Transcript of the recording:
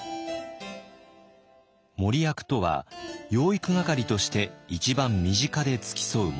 傅役とは養育係として一番身近で付き添う者。